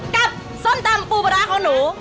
ส้มตำปูปลาร้าของหนู